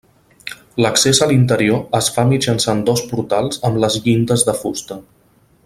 L'accés a l'interior es fa mitjançant dos portals amb les llindes de fusta.